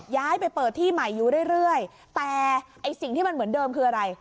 ย้ายไปเปิดที่ใหม่อยู่เรื่อยแต่ไอ้สิ่งที่มันเหมือนเดิมคืออะไร